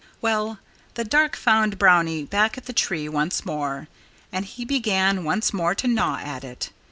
Well, the dark found Brownie back at the tree once more. And he began once more to gnaw at it.